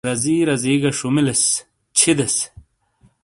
رزی رزی گہ شپمیلیس/ چھِیدیس۔